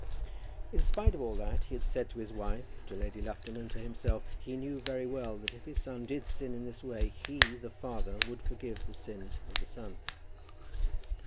In spite of all that he had said to his wife, to Lady Lufton, and to himself, he knew very well that if his son did sin in this way he, the father, would forgive the sin of the son.